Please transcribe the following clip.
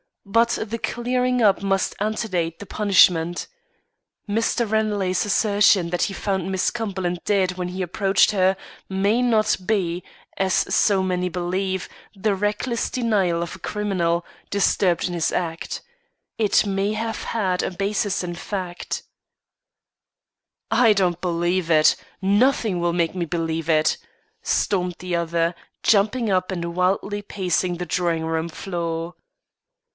But the clearing up must antedate the punishment. Mr. Ranelagh's assertion that he found Miss Cumberland dead when he approached her, may not be, as so many now believe, the reckless denial of a criminal, disturbed in his act. It may have had a basis in fact." "I don't believe it. Nothing will make me believe it," stormed the other, jumping up, and wildly pacing the drawing room floor.